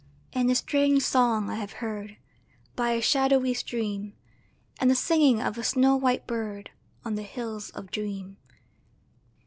XIII And a strange song I have heard By a shadowy stream, And the singing of a snow white bird On the Hills of Dream.